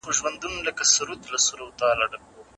ما په خپلو غوږونو د چا پوښتنه واورېده.